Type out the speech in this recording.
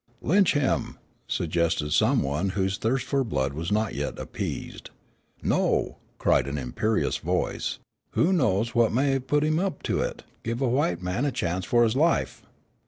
"Lynch him!" suggested some one whose thirst for blood was not yet appeased. "No," cried an imperious voice, "who knows what may have put him up to it? Give a white man a chance for his life."